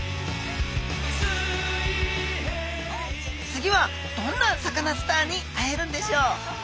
次はどんなサカナスターに会えるんでしょう？